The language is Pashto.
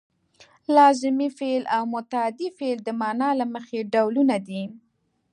لازمي فعل او متعدي فعل د معنا له مخې ډولونه دي.